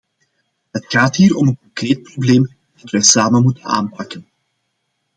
Het gaat hier om een concreet probleem dat wij samen moeten aanpakken.